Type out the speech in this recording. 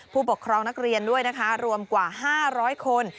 ผู้ปกครองนักเรียนด้วยนะคะรวมกว่า๕๐๐คน